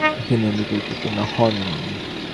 তিনি এমবি পরীক্ষায় উত্তীর্ণ হন।